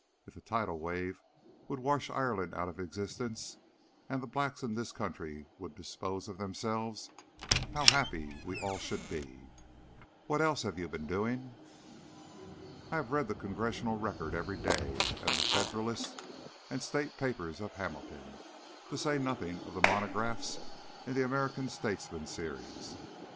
If a tidal wave would wash Ireland out of existence and the blacks in this country would dispose of themselves, how happy we all should be! What else have you been doing?" "I have read the Congressional Record every day, and the Federalist and State papers of Hamilton; to say nothing of the monographs in the American Statesmen Series.